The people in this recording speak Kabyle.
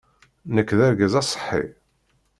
Nekk d argaz aṣeḥḥi.